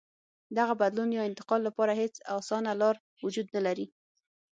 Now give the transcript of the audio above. دغه بدلون یا انتقال لپاره هېڅ اسانه لار وجود نه لري.